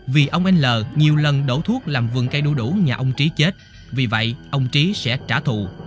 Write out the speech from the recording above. vì ông in l nhiều lần đổ thuốc làm vườn cây đu đủ nhà ông trí chết vì vậy ông trí sẽ trả thù